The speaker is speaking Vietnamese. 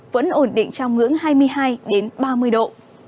vẫn ổn định trong ngưỡng hai mươi hai ba mươi độ